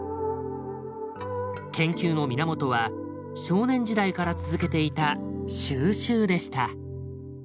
研究の源は少年時代から続けていた収集でした。